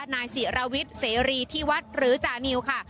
นายศิรวิทย์เสรีที่วัดหรือจานิวค่ะ